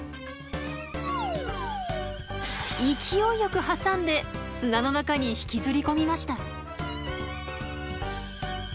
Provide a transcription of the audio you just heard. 勢いよく挟んで砂の中に引きずり込みました。